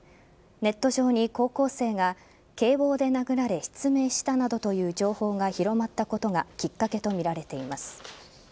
ネット上に高校生が警棒で殴られ失明したなどという情報が広まったことがきっかけとみられています。